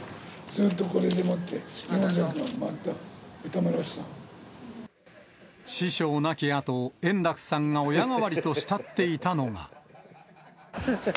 ずっとこれでもって、師匠亡きあと、円楽さんが親代わりと慕っていたのが。